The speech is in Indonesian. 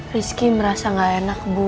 rizky merasa gak enak bu